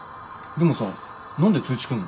でもさ何で通知